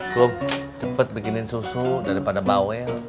gue cepet bikinin susu daripada bawel